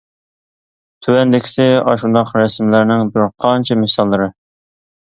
تۆۋەندىكىسى ئاشۇنداق رەسىملەرنىڭ بىر قانچە مىساللىرى.